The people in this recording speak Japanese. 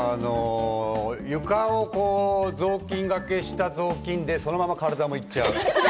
床を雑巾がけした雑巾でそのまま体もいっちゃう。